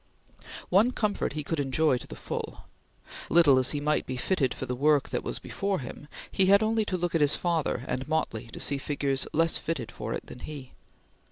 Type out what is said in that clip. One comfort he could enjoy to the full. Little as he might be fitted for the work that was before him, he had only to look at his father and Motley to see figures less fitted for it than he.